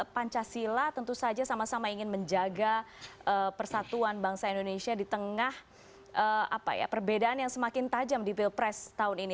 pancasila tentu saja sama sama ingin menjaga persatuan bangsa indonesia di tengah perbedaan yang semakin tajam di pilpres tahun ini